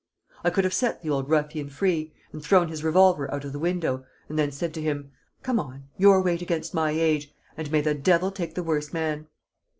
I could have set the old ruffian free, and thrown his revolver out of the window, and then said to him, "Come on! Your weight against my age, and may the devil take the worse man!"